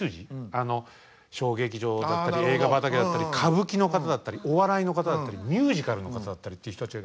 あの小劇場だったり映画畑だったり歌舞伎の方だったりお笑いの方だったりミュージカルの方だったりっていう人たちが。